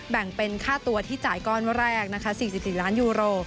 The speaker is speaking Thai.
แบ่งเป็นค่าตัวที่จ่ายก้อนแรกนะคะ๔๔ล้านยูโร